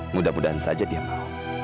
mudah mudahan saja dia mau